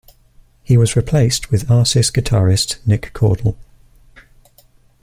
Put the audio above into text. He was replaced with Arsis guitarist Nick Cordle.